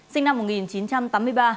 sinh năm một nghìn chín trăm tám mươi ba